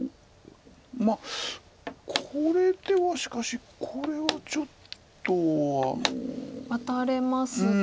まあこれではしかしこれはちょっと。ワタれますが。